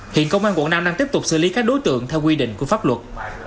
hiện công an quận năm đang tiếp tục xử lý các đối tượng theo quy định của pháp luật